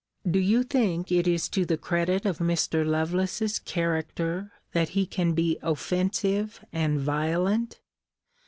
Do you think it is to the credit of Mr. Lovelace's character that he can be offensive and violent?